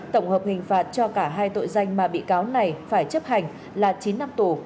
tổng hợp hình phạt cho cả hai tội danh mà bị cáo này phải chấp hành là chín năm tù